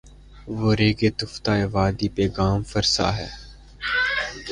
وہ ریگِ تفتۂ وادی پہ گام فرسا ہے